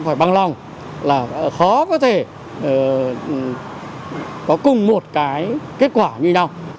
vâng thưa quý vị